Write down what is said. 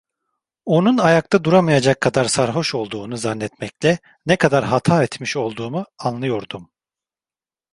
Onun ayakta duramayacak kadar sarhoş olduğunu zannetmekle ne kadar hata etmiş olduğumu anlıyordum.